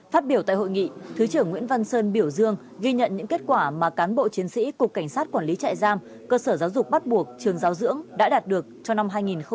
phát biểu tại hội nghị thứ trưởng nguyễn văn sơn biểu dương ghi nhận những kết quả mà cán bộ chiến sĩ cục cảnh sát quản lý trại giam cơ sở giáo dục bắt buộc trường giáo dưỡng đã đạt được cho năm hai nghìn một mươi tám